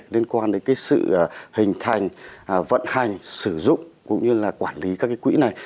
liên quan đến sự hình thành vận hành sử dụng cũng như là quản lý các quỹ này